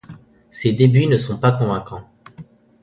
Ses débuts ne sont pas convaincants.